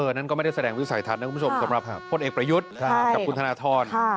นั่นก็ไม่ได้แสดงวิสัยทัศน์นะคุณผู้ชมสำหรับพลเอกประยุทธ์กับคุณธนทร